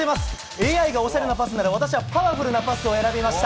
ＡＩがおしゃれなパスならパワフルなパスを選びました。